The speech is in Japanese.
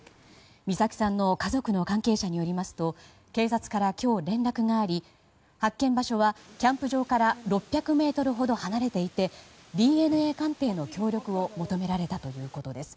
美咲さんの家族の関係者によりますと警察から今日連絡があり発見場所はキャンプ場から６００ｍほど離れていてＤＮＡ鑑定の協力を求められたということです。